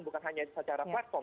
bukan hanya secara platform